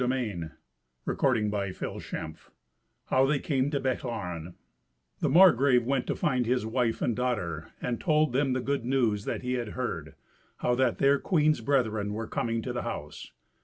Twenty Seventh Adventure How They Came to Bechlaren The Margrave went to find his wife and daughter, and told them the good news that he had heard, how that their queen's brethren were coming to the house.